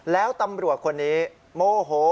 แล้วตำรวจคนนี้โมโห